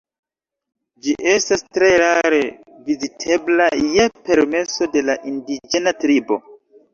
Ĝi estas tre rare vizitebla je permeso de la indiĝena tribo.